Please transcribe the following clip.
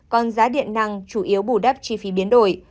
còn giá điện năng chủ yếu bù đắp chi phí biến đổi